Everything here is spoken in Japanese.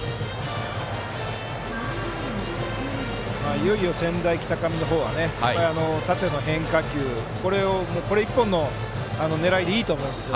いよいよ、専大松戸の方は縦の変化球、これ１本の狙いでいいと思います。